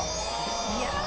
いや！